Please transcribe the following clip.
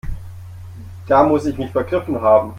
Da muss ich mich vergriffen haben.